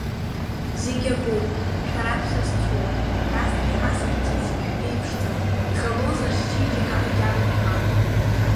Зегь акоуп шәара шәсасцәоуп, насгьы асасцәа зегь шәреиԥшӡам, иҟалозар, счеиџьыка агьама жәба?